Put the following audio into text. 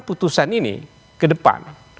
putusan ini ke depan